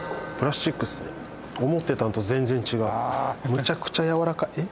むちゃくちゃやわらかいえっ？